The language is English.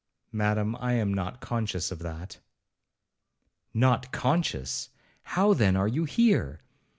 'Madam, I am not conscious of that.' 'Not conscious! How then are you here?